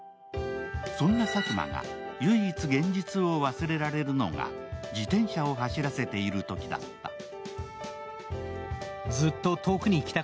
そんなサクマが唯一現実を忘れられるのが自転車を走らせているときだった。